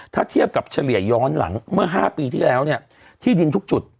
ถ้าเทียบกับเฉลี่ยย้อนหลังเมื่อ๕ปีที่แล้วเนี่ยที่ดินทุกจุด